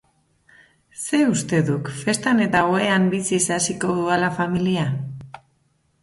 Zer uste duk, festan eta ohean biziz haziko duala familia?